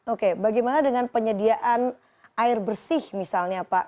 oke bagaimana dengan penyediaan air bersih misalnya pak